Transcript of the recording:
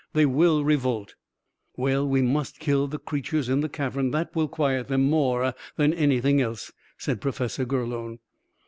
They will revolt." "Well, we must kill the creatures in the cavern: that will quiet them more than anything else," said Professor Gurlone.